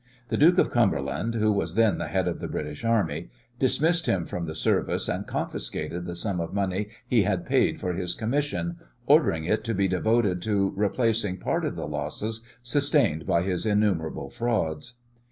The Duke of Cumberland, who was then the head of the British Army, dismissed him from the service and confiscated the sum of money he had paid for his commission, ordering it to be devoted to replacing part of the losses sustained by his innumerable frauds.